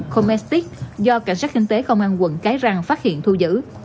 khô mê stick do cảnh sát kinh tế công an quận cái răng phát hiện thu giữ